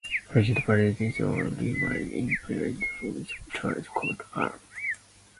Peugeot's badge, the lion rampant, is derived from the town's coat-of-arms.